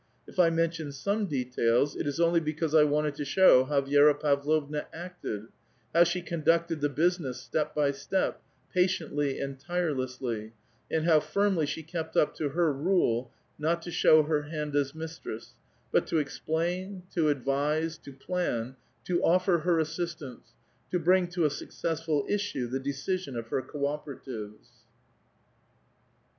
If I mention some details, it is only because I wanted to show how Vi^ra Pavlovna acted ; how she conducted the business step by step, patiently and tirelessly, and how firmly she kept up to her rule not to show her hand as mistress, but to ex plain, to advise, to plan, to offer her assistance, to bring to a successful issue the decision of her co operatives.